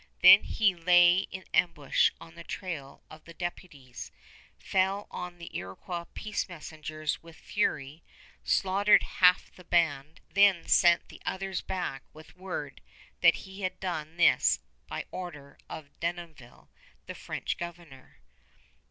Then he lay in ambush on the trail of the deputies, fell on the Iroquois peace messengers with fury, slaughtered half the band, then sent the others back with word that he had done this by order of Denonville, the French governor.